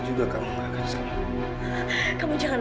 mau ngapain kamu kesini